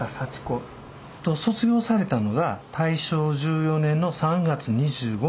卒業されたのが大正１４年の３月２５日。